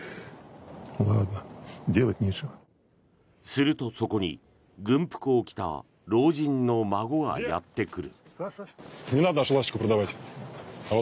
するとそこに軍服を着た老人の孫がやってくる。